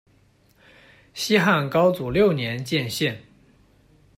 西汉高祖六年建县。